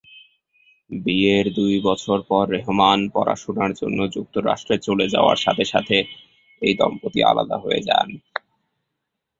বিয়ের দুই বছর পর রেহমান পড়াশোনার জন্য যুক্তরাষ্ট্রে চলে যাওয়ার সাথে সাথে এই দম্পতি আলাদা হয়ে যান।